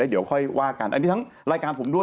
เดี๋ยวค่อยว่ากันอันนี้ทั้งรายการผมด้วย